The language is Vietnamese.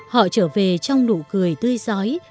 họ trở về trong nụ cười tươi giói